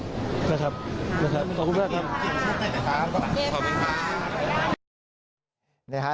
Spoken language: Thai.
นะครับขอบคุณครับ